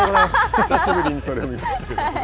久しぶりにそれを見ましたけどね。